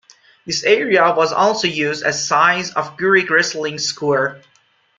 This area was also used as the size of a Greek wrestling square.